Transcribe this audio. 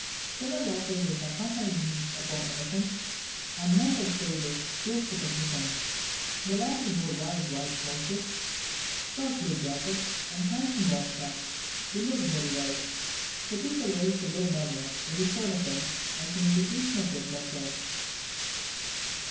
Several officers accompanied him upon elephants, and mounted soldiers closed the procession. The latter wore wide white trousers, short blue jackets, and handsome round caps; they looked very well. The people raised a low murmur when they saw the prince, as an indication of their pleasure.